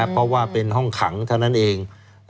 เพราะว่าเป็นห้องขังเท่านั้นเอง